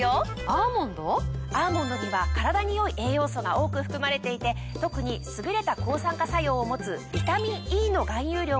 アーモンドには体に良い栄養素が多く含まれていて特に優れた抗酸化作用を持つビタミンＥの含有量が非常に多いんです。